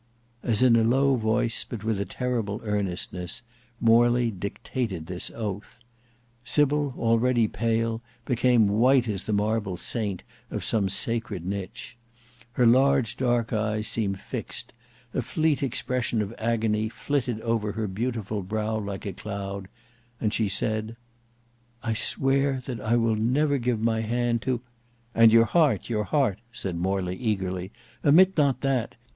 As in a low voice, but with a terrible earnestness, Morley dictated this oath, Sybil, already pale, became white as the marble saint of some sacred niche. Her large dark eyes seemed fixed; a fleet expression of agony flitted over her beautiful brow like a cloud; and she said, "I swear that I will never give my hand to—" "And your heart, your heart," said Morley eagerly. "Omit not that.